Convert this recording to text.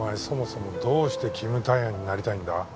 そもそもどうしてキムタヤになりたいんだ？